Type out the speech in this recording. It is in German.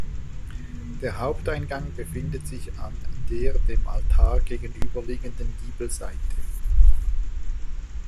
Der Haupteingang befindet sich an der dem Altar gegenüberliegenden Giebelseite.